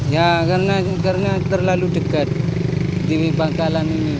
ya karena terlalu dekat di bangkalan ini